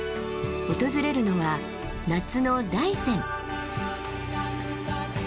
訪れるのは夏の大山。